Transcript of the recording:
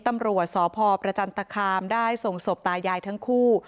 ตำรวจสพประจันตคามได้ส่งศพตายายทั้งคู่